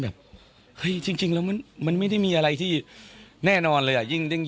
แบบเฮ้ยจริงแล้วมันไม่ได้มีอะไรที่แน่นอนเลยอ่ะยิ่ง